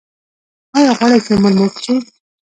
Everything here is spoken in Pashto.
ایا غواړئ چې عمر مو اوږد شي؟